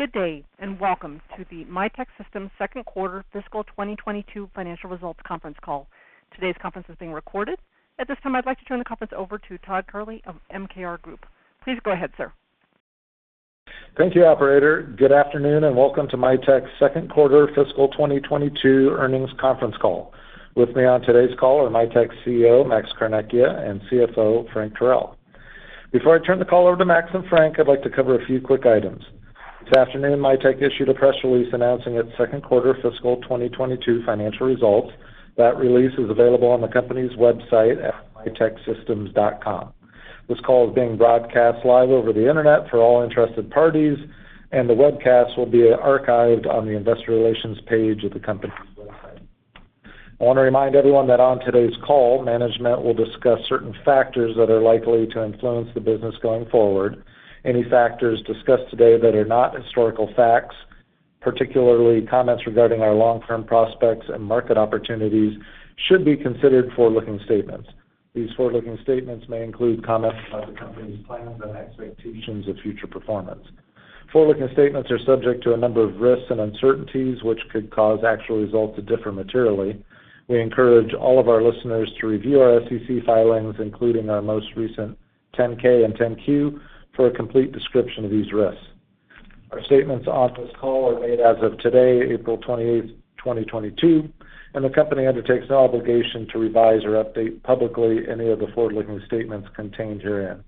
Good day, and welcome to the Mitek Systems second quarter fiscal 2022 financial results conference call. Today's conference is being recorded. At this time, I'd like to turn the conference over to Todd Kehrli of MKR Group. Please go ahead, sir. Thank you, operator. Good afternoon, and welcome to Mitek second quarter fiscal 2022 earnings conference call. With me on today's call are Mitek's CEO, Max Carnecchia, and CFO, Frank Teruel. Before I turn the call over to Max and Frank, I'd like to cover a few quick items. This afternoon, Mitek issued a press release announcing its second quarter fiscal 2022 financial results. That release is available on the company's website at miteksystems.com. This call is being broadcast live over the Internet for all interested parties, and the webcast will be archived on the investor relations page of the company's website. I want to remind everyone that on today's call, management will discuss certain factors that are likely to influence the business going forward. Any factors discussed today that are not historical facts, particularly comments regarding our long-term prospects and market opportunities, should be considered forward-looking statements. These forward-looking statements may include comments about the company's plans and expectations of future performance. Forward-looking statements are subject to a number of risks and uncertainties which could cause actual results to differ materially. We encourage all of our listeners to review our SEC filings, including our most recent 10-K and 10-Q, for a complete description of these risks. Our statements on this call are made as of today, April 28, 2022, and the company undertakes no obligation to revise or update publicly any of the forward-looking statements contained herein,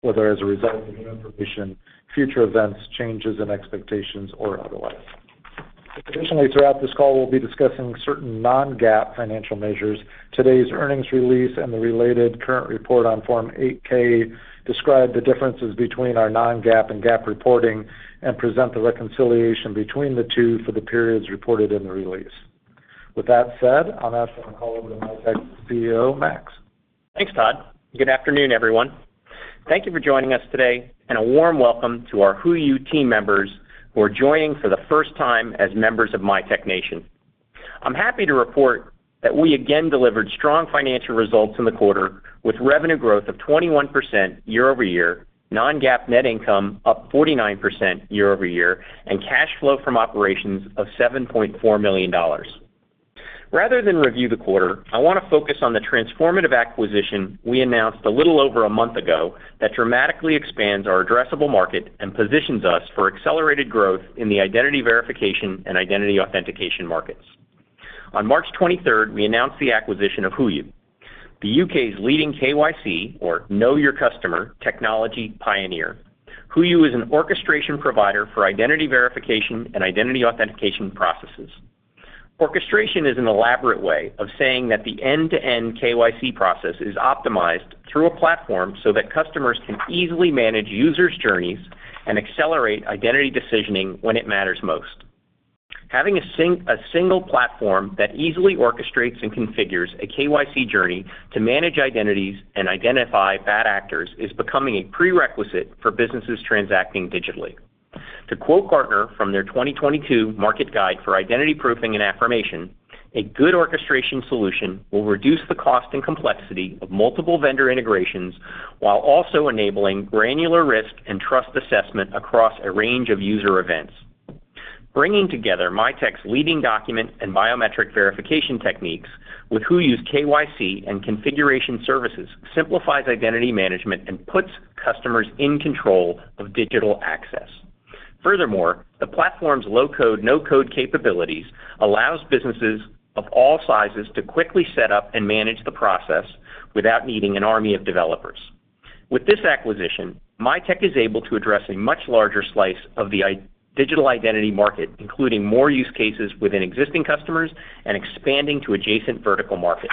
whether as a result of new information, future events, changes in expectations or otherwise. Additionally, throughout this call, we'll be discussing certain non-GAAP financial measures. Today's earnings release and the related current report on Form 8-K describe the differences between our non-GAAP and GAAP reporting and present the reconciliation between the two for the periods reported in the release. With that said, I'll now turn the call over to Mitek's CEO, Max. Thanks, Todd. Good afternoon, everyone. Thank you for joining us today, and a warm welcome to our HooYu team members who are joining for the first time as members of Mitek Nation. I'm happy to report that we again delivered strong financial results in the quarter with revenue growth of 21% year-over-year, non-GAAP net income up 49% year-over-year, and cash flow from operations of $7.4 million. Rather than review the quarter, I want to focus on the transformative acquisition we announced a little over a month ago that dramatically expands our addressable market and positions us for accelerated growth in the identity verification and identity authentication markets. On March 23, we announced the acquisition of HooYu, the U.K.'s leading KYC or know your customer technology pioneer. HooYu is an orchestration provider for identity verification and identity authentication processes. Orchestration is an elaborate way of saying that the end-to-end KYC process is optimized through a platform so that customers can easily manage users' journeys and accelerate identity decisioning when it matters most. Having a single platform that easily orchestrates and configures a KYC journey to manage identities and identify bad actors is becoming a prerequisite for businesses transacting digitally. To quote Gartner from their 2022 market guide for identity proofing and affirmation, "A good orchestration solution will reduce the cost and complexity of multiple vendor integrations while also enabling granular risk and trust assessment across a range of user events." Bringing together Mitek's leading document and biometric verification techniques with HooYu's KYC and configuration services simplifies identity management and puts customers in control of digital access. Furthermore, the platform's low-code, no-code capabilities allows businesses of all sizes to quickly set up and manage the process without needing an army of developers. With this acquisition, Mitek is able to address a much larger slice of the digital identity market, including more use cases within existing customers and expanding to adjacent vertical markets.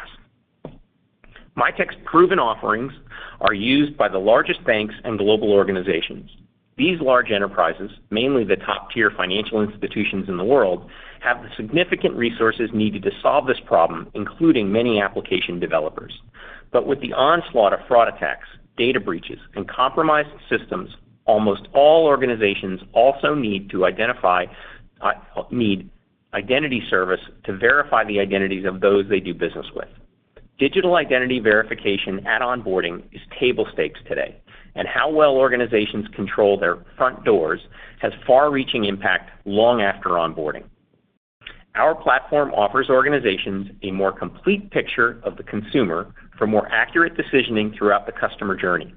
Mitek's proven offerings are used by the largest banks and global organizations. These large enterprises, mainly the top-tier financial institutions in the world, have the significant resources needed to solve this problem, including many application developers. With the onslaught of fraud attacks, data breaches, and compromised systems, almost all organizations also need to identify, need identity service to verify the identities of those they do business with. Digital identity verification at onboarding is table stakes today, and how well organizations control their front doors has far-reaching impact long after onboarding. Our platform offers organizations a more complete picture of the consumer for more accurate decisioning throughout the customer journey.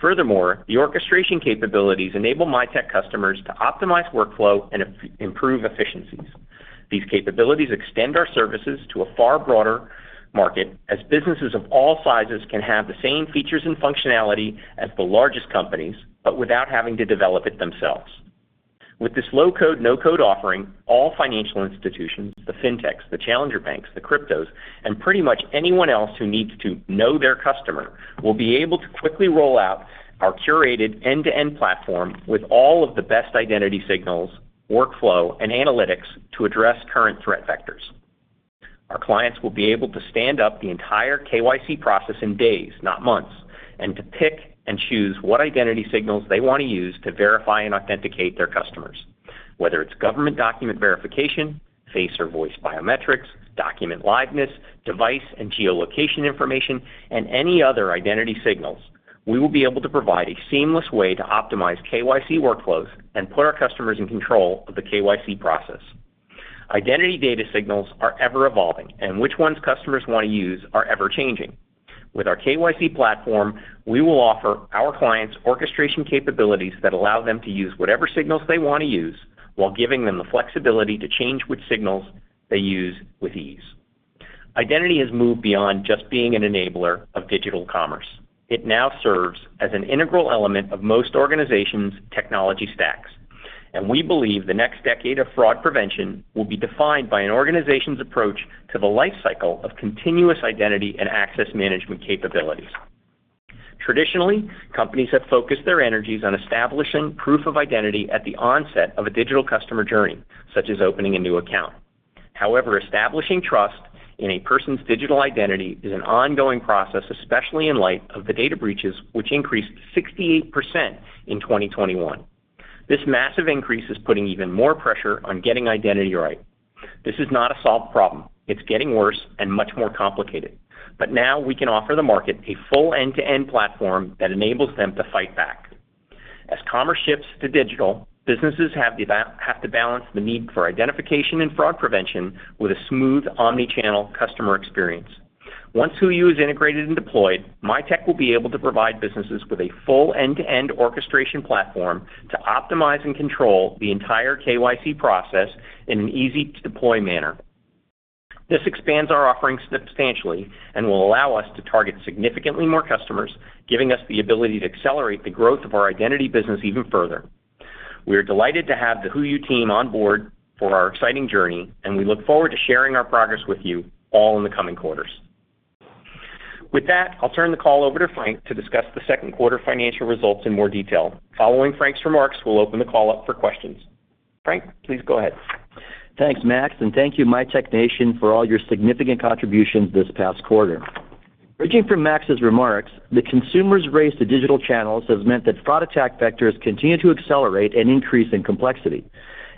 Furthermore, the orchestration capabilities enable Mitek customers to optimize workflow and improve efficiencies. These capabilities extend our services to a far broader market as businesses of all sizes can have the same features and functionality as the largest companies, but without having to develop it themselves. With this low-code, no-code offering, all financial institutions, the fintechs, the challenger banks, the cryptos, and pretty much anyone else who needs to know their customer will be able to quickly roll out our curated end-to-end platform with all of the best identity signals, workflow, and analytics to address current threat vectors. Our clients will be able to stand up the entire KYC process in days, not months, and to pick and choose what identity signals they want to use to verify and authenticate their customers. Whether it's government document verification, face or voice biometrics, document liveness, device and geolocation information, and any other identity signals, we will be able to provide a seamless way to optimize KYC workflows and put our customers in control of the KYC process. Identity data signals are ever-evolving, and which ones customers wanna use are ever-changing. With our KYC platform, we will offer our clients orchestration capabilities that allow them to use whatever signals they wanna use while giving them the flexibility to change which signals they use with ease. Identity has moved beyond just being an enabler of digital commerce. It now serves as an integral element of most organizations' technology stacks, and we believe the next decade of fraud prevention will be defined by an organization's approach to the life cycle of continuous identity and access management capabilities. Traditionally, companies have focused their energies on establishing proof of identity at the onset of a digital customer journey, such as opening a new account. However, establishing trust in a person's digital identity is an ongoing process, especially in light of the data breaches which increased 68% in 2021. This massive increase is putting even more pressure on getting identity right. This is not a solved problem. It's getting worse and much more complicated. Now we can offer the market a full end-to-end platform that enables them to fight back. As commerce shifts to digital, businesses have to balance the need for identification and fraud prevention with a smooth omni-channel customer experience. Once HooYu is integrated and deployed, Mitek will be able to provide businesses with a full end-to-end orchestration platform to optimize and control the entire KYC process in an easy-to-deploy manner. This expands our offerings substantially and will allow us to target significantly more customers, giving us the ability to accelerate the growth of our identity business even further. We are delighted to have the HooYu team on board for our exciting journey, and we look forward to sharing our progress with you all in the coming quarters. With that, I'll turn the call over to Frank to discuss the second quarter financial results in more detail. Following Frank's remarks, we'll open the call up for questions. Frank, please go ahead. Thanks, Max, and thank you Mitek Nation for all your significant contributions this past quarter. Bridging from Max's remarks, the consumer's race to digital channels has meant that fraud attack vectors continue to accelerate and increase in complexity.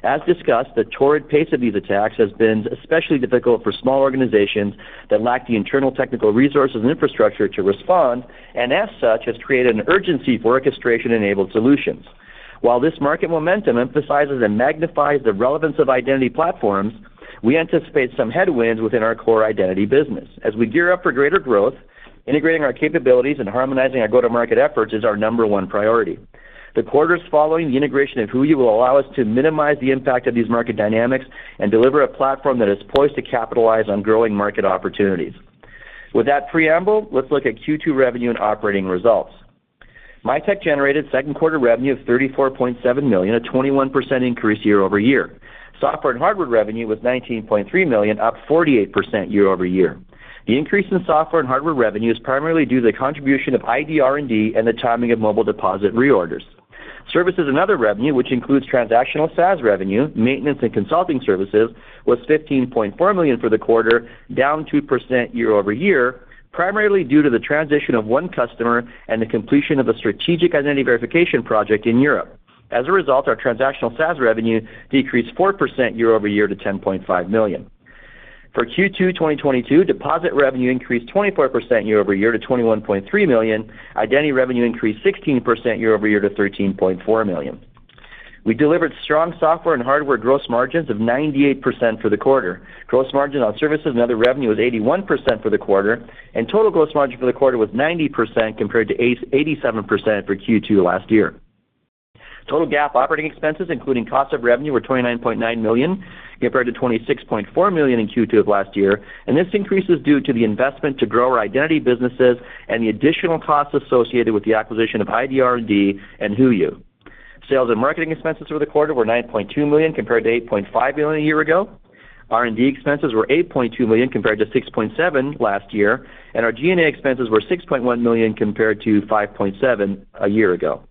As discussed, the torrid pace of these attacks has been especially difficult for small organizations that lack the internal technical resources and infrastructure to respond, and as such, has created an urgency for orchestration-enabled solutions. While this market momentum emphasizes and magnifies the relevance of identity platforms, we anticipate some headwinds within our core identity business. As we gear up for greater growth, integrating our capabilities and harmonizing our go-to-market efforts is our number one priority. The quarters following the integration of HooYu will allow us to minimize the impact of these market dynamics and deliver a platform that is poised to capitalize on growing market opportunities. With that preamble, let's look at Q2 revenue and operating results. Mitek generated second quarter revenue of $34.7 million, a 21% increase year-over-year. Software and hardware revenue was $19.3 million, up 48% year-over-year. The increase in software and hardware revenue is primarily due to the contribution of ID R&D and the timing of Mobile Deposit reorders. Services and other revenue, which includes transactional SaaS revenue, maintenance and consulting services, was $15.4 million for the quarter, down 2% year-over-year, primarily due to the transition of one customer and the completion of a strategic identity verification project in Europe. As a result, our transactional SaaS revenue decreased 4% year-over-year to $10.5 million. For Q2 2022, deposit revenue increased 24% year-over-year to $21.3 million. Identity revenue increased 16% year-over-year to $13.4 million. We delivered strong software and hardware gross margins of 98% for the quarter. Gross margin on services and other revenue was 81% for the quarter, and total gross margin for the quarter was 90% compared to eighty-seven percent for Q2 last year. Total GAAP operating expenses, including cost of revenue, were $29.9 million compared to $26.4 million in Q2 of last year, and this increase is due to the investment to grow our identity businesses and the additional costs associated with the acquisition of ID R&D and HooYu. Sales and marketing expenses for the quarter were $9.2 million compared to $8.5 million a year ago. R&D expenses were $8.2 million compared to $6.7 million last year, and our G&A expenses were $6.1 million compared to $5.7 million a year ago.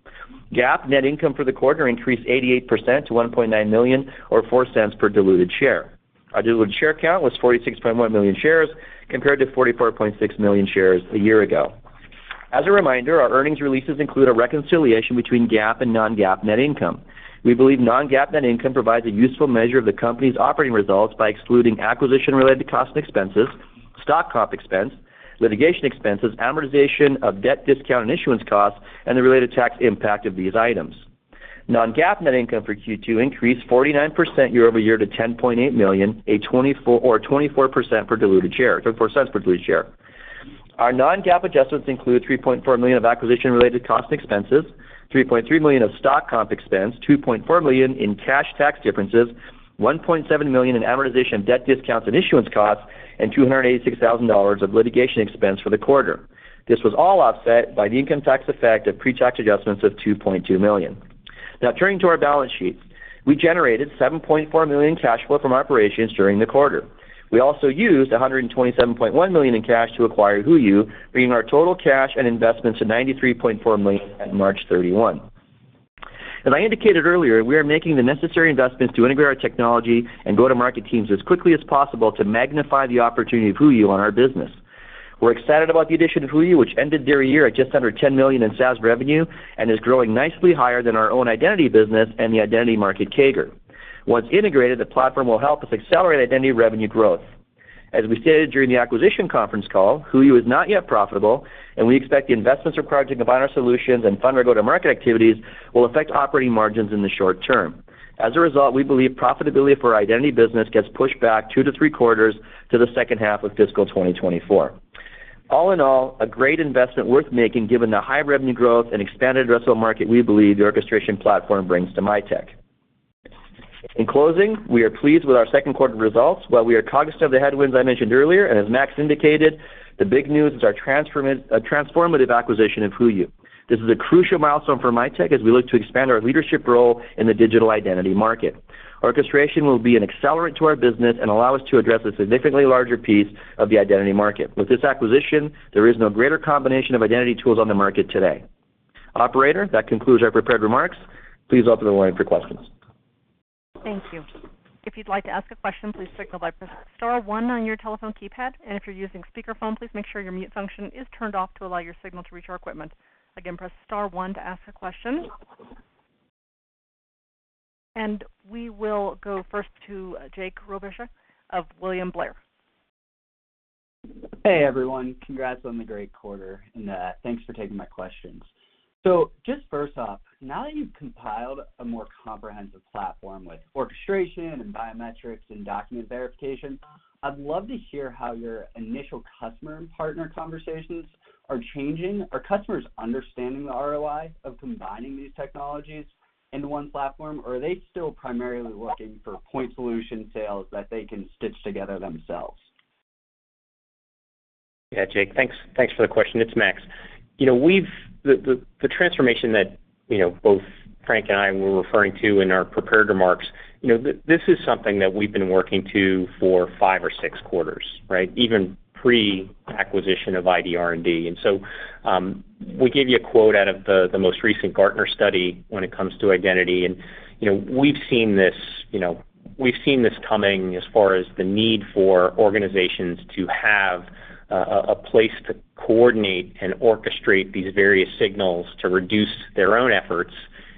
GAAP net income for the quarter increased 88% to $1.9 million or $0.04 per diluted share. Our diluted share count was 46.1 million shares compared to 44.6 million shares a year ago. As a reminder, our earnings releases include a reconciliation between GAAP and non-GAAP net income. We believe non-GAAP net income provides a useful measure of the company's operating results by excluding acquisition-related costs and expenses, stock comp expense, litigation expenses, amortization of debt discount and issuance costs, and the related tax impact of these items. Non-GAAP net income for Q2 increased 49% year-over-year to $10.8 million, a $0.24 per diluted share. Our non-GAAP adjustments include $3.4 million of acquisition-related costs and expenses, $3.3 million of stock comp expense, $2.4 million in cash tax differences, $1.7 million in amortization of debt discounts and issuance costs, and $286,000 of litigation expense for the quarter. This was all offset by the income tax effect of pre-tax adjustments of $2.2 million. Now turning to our balance sheet. We generated $7.4 million cash flow from operations during the quarter. We also used $127.1 million in cash to acquire HooYu, bringing our total cash and investments to $93.4 million at March 31. As I indicated earlier, we are making the necessary investments to integrate our technology and go-to-market teams as quickly as possible to magnify the opportunity of HooYu on our business. We're excited about the addition of HooYu, which ended their year at just under $10 million in SaaS revenue and is growing nicely higher than our own identity business and the identity market CAGR. Once integrated, the platform will help us accelerate identity revenue growth. As we stated during the acquisition conference call, HooYu is not yet profitable, and we expect the investments required to combine our solutions and fund our go-to-market activities will affect operating margins in the short term. As a result, we believe profitability for our identity business gets pushed back two to three quarters to the second half of fiscal 2024. All in all, a great investment worth making, given the high revenue growth and expanded addressable market we believe the orchestration platform brings to Mitek. In closing, we are pleased with our second quarter results. While we are cognizant of the headwinds I mentioned earlier, and as Max indicated, the big news is our transformative acquisition of HooYu. This is a crucial milestone for Mitek as we look to expand our leadership role in the digital identity market. Orchestration will be an accelerant to our business and allow us to address a significantly larger piece of the identity market. With this acquisition, there is no greater combination of identity tools on the market today. Operator, that concludes our prepared remarks. Please open the line for questions. Thank you. If you'd like to ask a question, please signal by pressing star one on your telephone keypad. If you're using speakerphone, please make sure your mute function is turned off to allow your signal to reach our equipment. Again, press star one to ask a question. We will go first to Jake Roberge of William Blair. Hey, everyone. Congrats on the great quarter, and thanks for taking my questions. Just first off, now that you've compiled a more comprehensive platform with orchestration and biometrics and document verification, I'd love to hear how your initial customer and partner conversations are changing. Are customers understanding the ROI of combining these technologies into one platform, or are they still primarily looking for point solution sales that they can stitch together themselves? Yeah, Jake. Thanks. Thanks for the question. It's Max. You know, the transformation that, you know, both Frank and I were referring to in our prepared remarks, you know, this is something that we've been working to for five or six quarters, right? Even pre-acquisition of ID R&D. We gave you a quote out of the most recent Gartner study when it comes to identity. You know, we've seen this, you know, we've seen this coming as far as the need for organizations to have a place to coordinate and orchestrate these various signals to reduce their own efforts.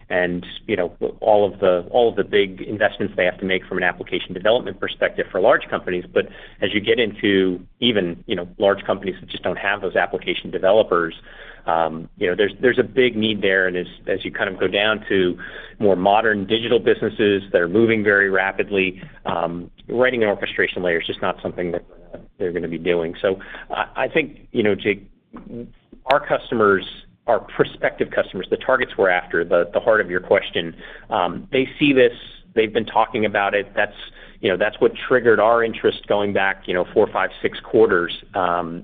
You know, all of the big investments they have to make from an application development perspective for large companies. As you get into even, you know, large companies that just don't have those application developers, you know, there's a big need there. As you kind of go down to more modern digital businesses that are moving very rapidly, writing an orchestration layer is just not something that they're gonna be doing. I think, you know, Jake, our customers, our prospective customers, the targets we're after, the heart of your question, they see this, they've been talking about it. That's what triggered our interest going back, you know, four, five, six quarters,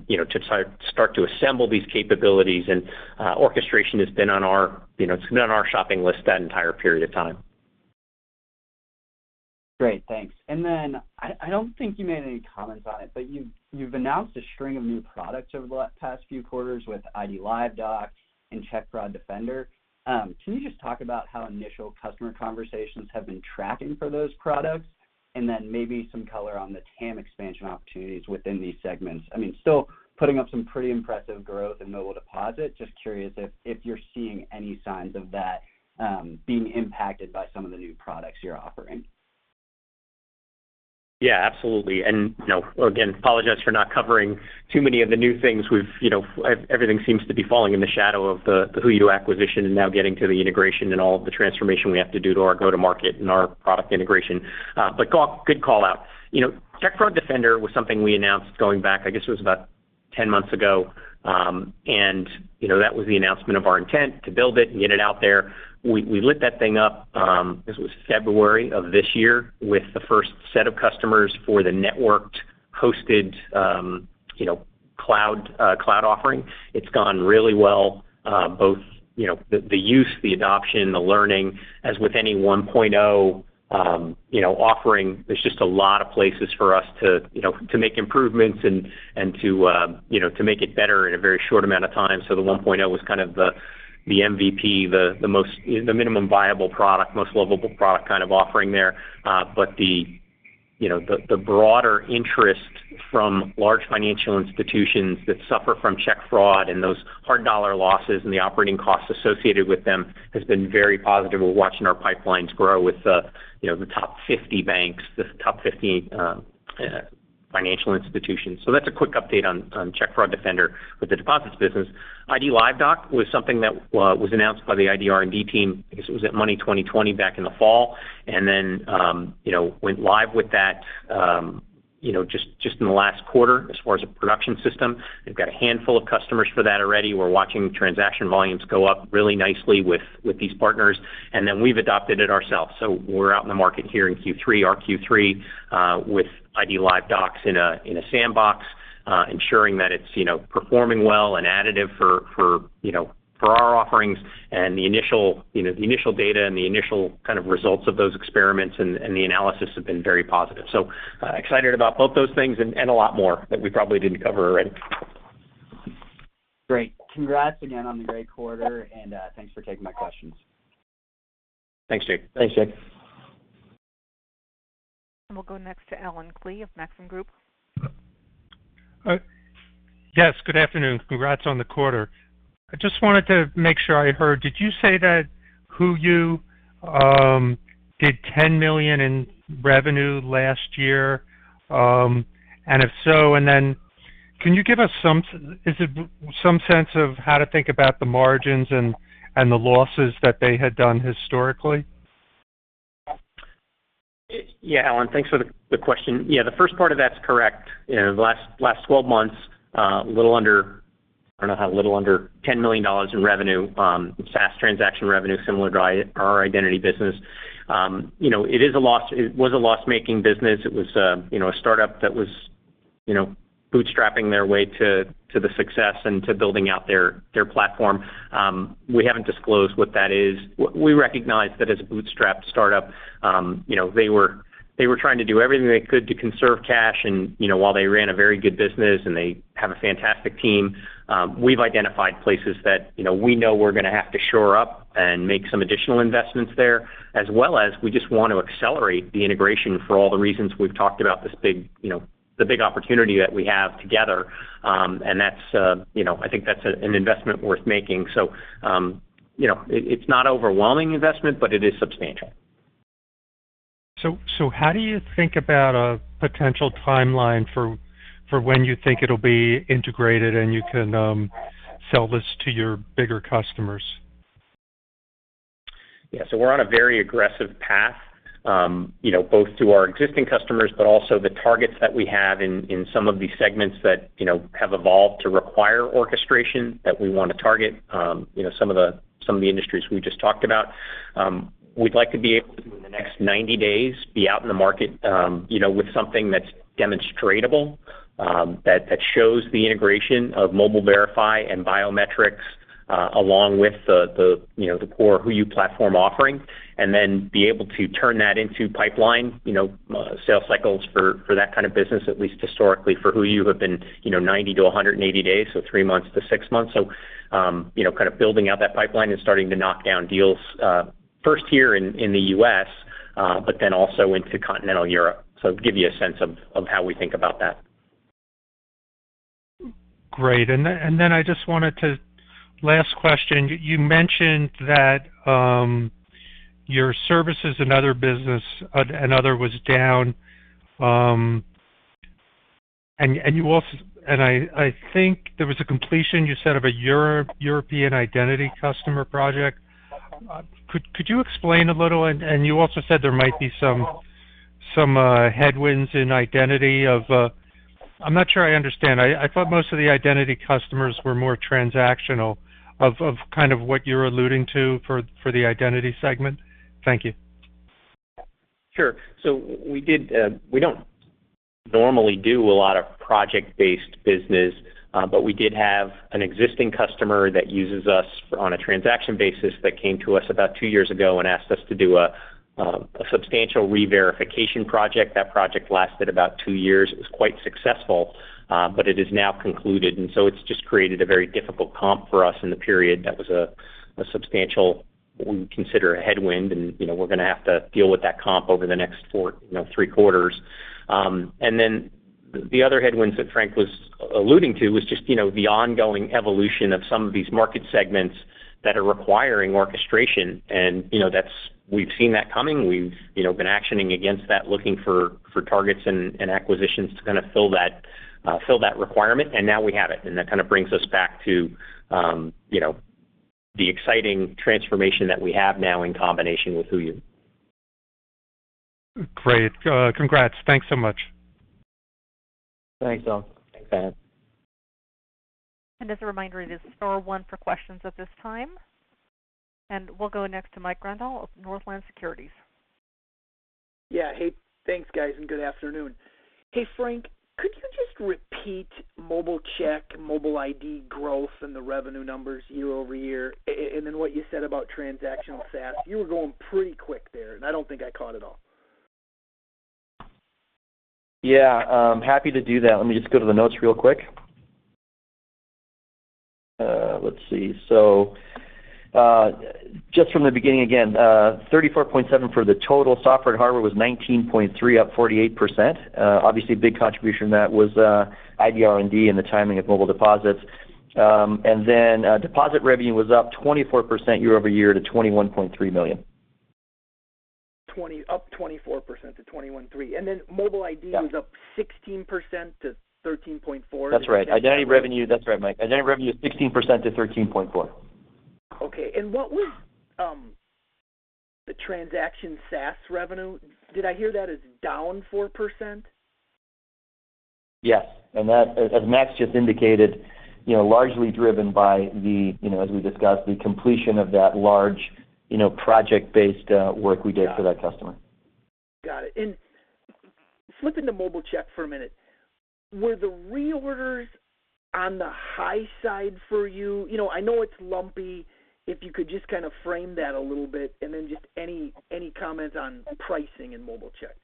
you know, to start to assemble these capabilities. Orchestration has been on our, you know, it's been on our shopping list that entire period of time. Great, thanks. I don't think you made any comments on it, but you've announced a string of new products over the past few quarters with IDLive Doc and Check Fraud Defender. Can you just talk about how initial customer conversations have been tracking for those products? Maybe some color on the TAM expansion opportunities within these segments. I mean, still putting up some pretty impressive growth in Mobile Deposit. Just curious if you're seeing any signs of that being impacted by some of the new products you're offering. Yeah, absolutely. No, again, apologize for not covering too many of the new things. We've, you know, everything seems to be falling in the shadow of the HooYu acquisition and now getting to the integration and all of the transformation we have to do to our go-to-market and our product integration. But good call out. You know, Check Fraud Defender was something we announced going back, I guess it was about 10 months ago. You know, that was the announcement of our intent to build it and get it out there. We lit that thing up, I guess it was February of this year with the first set of customers for the networked, hosted, you know, cloud offering. It's gone really well, both, you know, the use, the adoption, the learning. As with any 1.0, you know, offering, there's just a lot of places for us to, you know, to make improvements and to, you know, to make it better in a very short amount of time. So the 1.0 was kind of the MVP, the minimum viable product, most lovable product kind of offering there. But the broader interest from large financial institutions that suffer from check fraud and those hard dollar losses and the operating costs associated with them has been very positive. We're watching our pipelines grow with, you know, the top 50 banks, the top 50 financial institutions. That's a quick update on Check Fraud Defender with the deposits business. IDLive Doc was something that was announced by the ID R&D team. I guess it was at Money20/20 back in the fall. You know, we went live with that you know just in the last quarter as far as a production system. We've got a handful of customers for that already. We're watching transaction volumes go up really nicely with these partners, and then we've adopted it ourselves. We're out in the market here in Q3, our Q3, with IDLive Doc in a sandbox ensuring that it's you know performing well and additive for you know for our offerings. The initial you know the initial data and the initial kind of results of those experiments and the analysis have been very positive. So excited about both those things and a lot more that we probably didn't cover already. Great. Congrats again on the great quarter and, thanks for taking my questions. Thanks, Jake. Thanks, Jake. We'll go next to Allen Klee of Maxim Group. Yes, good afternoon. Congrats on the quarter. I just wanted to make sure I heard. Did you say that HooYu did $10 million in revenue last year? And if so, can you give us some sense of how to think about the margins and the losses that they had done historically? Yeah. Allen, thanks for the question. Yeah, the first part of that's correct. You know, the last 12 months, a little under, I don't know, a little under $10 million in revenue, SaaS transaction revenue similar to our identity business. You know, it is a loss. It was a loss-making business. It was a startup that was bootstrapping their way to the success and to building out their platform. We haven't disclosed what that is. We recognize that as a bootstrap startup. You know, they were trying to do everything they could to conserve cash and, you know, while they ran a very good business and they have a fantastic team, we've identified places that, you know, we know we're gonna have to shore up and make some additional investments there. As well as we just want to accelerate the integration for all the reasons we've talked about this big, you know, the big opportunity that we have together. That's, you know, I think that's an investment worth making. So you know, it's not overwhelming investment, but it is substantial. So how do you think about a potential timeline for when you think it'll be integrated and you can sell this to your bigger customers? Yeah. So we're on a very aggressive path, you know, both to our existing customers, but also the targets that we have in some of these segments that, you know, have evolved to require orchestration that we wanna target, you know, some of the industries we just talked about. We'd like to be able to in the next 90 days be out in the market, you know, with something that's demonstrable, that shows the integration of Mobile Verify and biometrics, along with the, you know, the core HooYu platform offering, and then be able to turn that into pipeline, you know, sales cycles for that kind of business, at least historically for HooYu have been, you know, 90 to 180 days, so three months to six months. You know, kind of building out that pipeline and starting to knock down deals, first here in the US, but then also into continental Europe. To give you a sense of how we think about that. Great. I just wanted to. Last question. You mentioned that your services and other business, and other was down, and you also. I think there was a completion, you said, of a European identity customer project. Could you explain a little? You also said there might be some headwinds in identity of. I'm not sure I understand. I thought most of the identity customers were more transactional of kind of what you're alluding to for the identity segment. Thank you. Sure. We did, we don't normally do a lot of project-based business, but we did have an existing customer that uses us on a transaction basis that came to us about two years ago and asked us to do a substantial reverification project. That project lasted about two years. It was quite successful, but it is now concluded, and so it's just created a very difficult comp for us in the period. That was a substantial, what we consider a headwind, and, you know, we're gonna have to deal with that comp over the next four, you know, three quarters. The other headwinds that Frank was alluding to was just, you know, the ongoing evolution of some of these market segments that are requiring orchestration. And you know, that's. We've seen that coming. We've, you know, been actioning against that, looking for targets and acquisitions to kind of fill that requirement, and now we have it. That kind of brings us back to, you know, the exciting transformation that we have now in combination with HooYu. Great. Congrats. Thanks so much. Thanks, Allen. As a reminder, it is star one for questions at this time. We'll go next to Mike Grondahl of Northland Securities. Yeah. Hey, thanks, guys, and good afternoon. Hey, Frank, could you just repeat Mobile Deposit, Mobile Verify growth and the revenue numbers year-over-year, and then what you said about transactional SaaS? You were going pretty quick there, and I don't think I caught it all. Yeah, I'm happy to do that. Let me just go to the notes real quick. Let's see. Just from the beginning again, $34.7 million for the total software and hardware was $19.3 million, up 48%. Obviously, a big contribution to that was ID R&D and the timing of Mobile Deposits. Then, deposit revenue was up 24% year-over-year to $21.3 million. up 24% to $21.3 million. Mobile ID. Yeah. was up 16% to $13.4 million. That's right, Mike. Identity revenue is 16% to $13.4 million. Okay. What was the transaction SaaS revenue? Did I hear that as down 4%? Yes. And that, as Max just indicated, you know, largely driven by the, you know, as we discussed, the completion of that large, you know, project-based work we did for that customer. Got it. And flipping to mobile check for a minute, were the reorders on the high side for you? You know, I know it's lumpy. If you could just kind of frame that a little bit, and then just any comments on pricing in mobile check.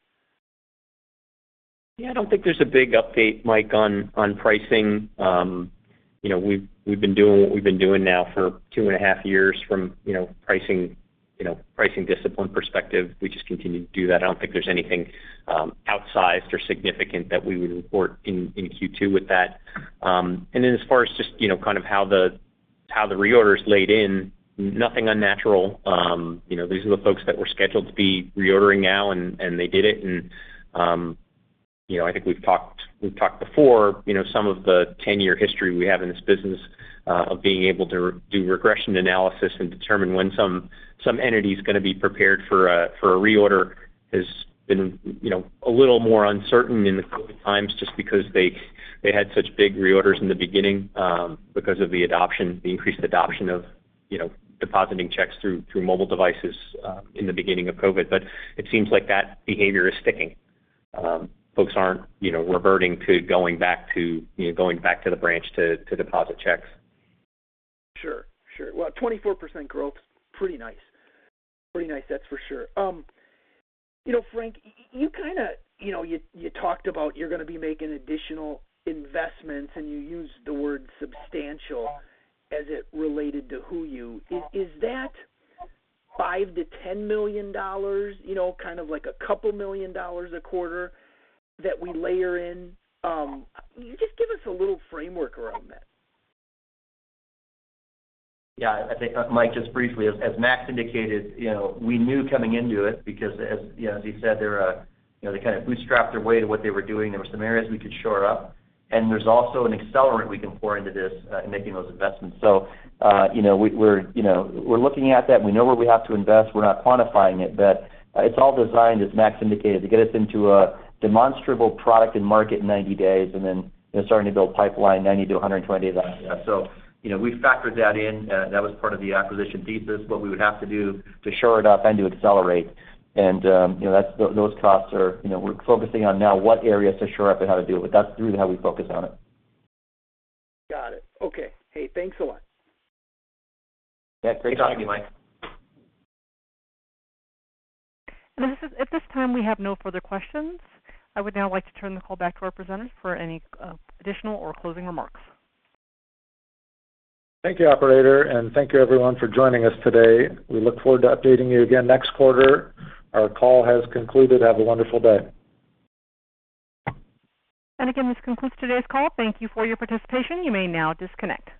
Yeah, I don't think there's a big update, Mike, on pricing. You know, we've been doing what we've been doing now for 2.5 years from a pricing discipline perspective. We just continue to do that. I don't think there's anything outsized or significant that we would report in Q2 with that. As far as just you know, kind of how the reorders landed, nothing unnatural. You know, these are the folks that were scheduled to be reordering now and they did it. You know, I think we've talked before, you know, some of the ten-year history we have in this business, of being able to do regression analysis and determine when some entity is gonna be prepared for a reorder has been, you know, a little more uncertain in the COVID times just because they had such big reorders in the beginning, because of the adoption, the increased adoption of, you know, depositing checks through mobile devices, in the beginning of COVID. It seems like that behavior is sticking. Folks aren't, you know, reverting to going back to, you know, going back to the branch to deposit checks. Sure. Well, 24% growth, pretty nice. Pretty nice, that's for sure. You know, Frank, you kinda, you know, you talked about you're gonna be making additional investments, and you used the word substantial as it related to HooYu. Is that $5 million-$10 million? You know, kind of like a couple million dollars a quarter that we layer in? Just give us a little framework around that. Yeah. I think, Mike, just briefly, as Max indicated, you know, we knew coming into it because as, you know, as he said, they're, you know, they kind of bootstrapped their way to what they were doing. There were some areas we could shore up, and there's also an accelerant we can pour into this, in making those investments. So you know, we're, you know, we're looking at that and we know where we have to invest. We're not quantifying it, but it's all designed, as Max indicated, to get us into a demonstrable product and market in 90 days and then starting to build pipeline 90 to 120 days after that. You know, we factored that in. That was part of the acquisition thesis, what we would have to do to shore it up and to accelerate. You know, those costs are, you know, we're focusing on now what areas to shore up and how to do it. That's really how we focus on it. Got it. Okay. Hey, thanks a lot. Yeah, great talking to you. Thanks, Mike. At this time, we have no further questions. I would now like to turn the call back to our presenters for any additional or closing remarks. Thank you, operator, and thank you everyone for joining us today. We look forward to updating you again next quarter. Our call has concluded. Have a wonderful day. Again, this concludes today's call. Thank you for your participation. You may now disconnect.